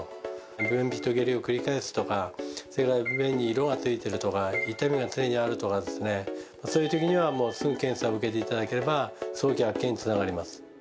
便秘と下痢を繰り返すとか、それから便に色がついてるとか、痛みが常にあるとかですね、そういうときにはもう、すぐ検査を受けていただければ、早期発見